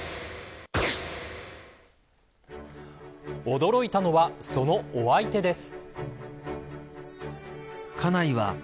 驚いたのは、そのお相手です。